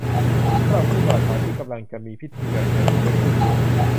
สำหรับคู่บ่าวสาวที่กำลังจะมีพิธี แบบไทยคงไม่พูดถึง